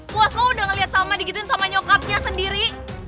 puas lo udah ngeliat sama digituin sama nyokapnya sendiri